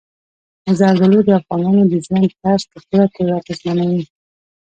زردالو د افغانانو د ژوند طرز په پوره توګه اغېزمنوي.